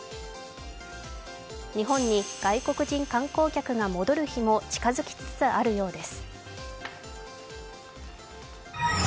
日本に外国人観光客が戻る日も近づきつつあるようです。